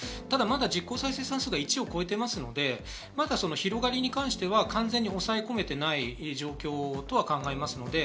ただ実効再生産数がまだ１を超えているので広がりに関しては、完全に抑え込めていない状況とは考えます。